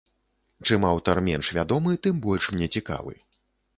Чым аўтар менш вядомы, тым больш мне цікавы.